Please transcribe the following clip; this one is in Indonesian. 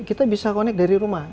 kita bisa connect dari rumah